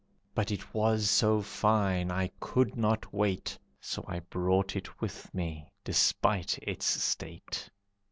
But it was so fine, I could not wait, So I brought it with me despite its state."